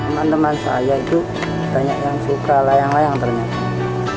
teman teman saya itu banyak yang suka layang layang ternyata